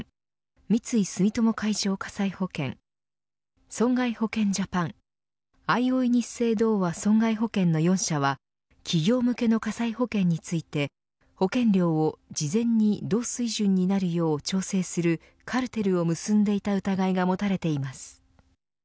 三井住友海上火災保険損害保険ジャパンあいおいニッセイ同和損害保険の４社は企業向けの火災保険について保険料を事前に同水準になるようを調整するカルテルを結んでいた疑いが持たれています。